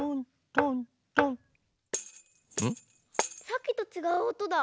さっきとちがうおとだ。